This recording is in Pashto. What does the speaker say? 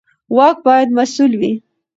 واک باید مسوول وي